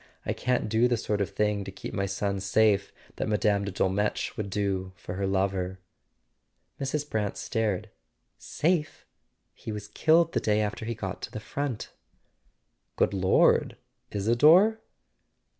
I can't do the sort of thing to keep my son safe that Mme. de Dolmetsch would do for her lover." Mrs. Brant stared. "Safe? He was killed the day after he got to the front." "Good Lord—Isador?"